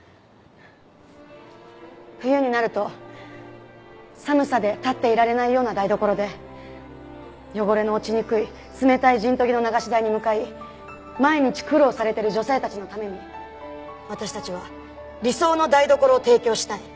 冬になると寒さで立っていられないような台所で汚れの落ちにくい冷たいジントギの流し台に向かい毎日苦労されている女性たちのために私たちは理想の台所を提供したい。